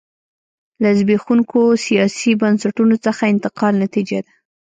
له زبېښونکو سیاسي بنسټونو څخه انتقال نتیجه ده.